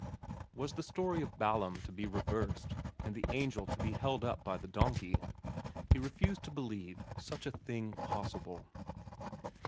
Was the story of Balaam to be reversed, and the angel be held up by the donkey ? He refused to believe such a thing possible.